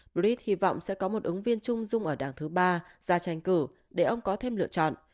brid hy vọng sẽ có một ứng viên chung dung ở đảng thứ ba ra tranh cử để ông có thêm lựa chọn